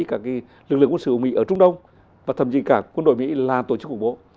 các lực lượng quân sự của mỹ ở trung đông và thậm chí cả quân đội mỹ là tổ chức khủng bố